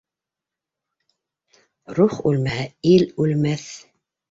Рух үлмәһә, ил үлмәҫ.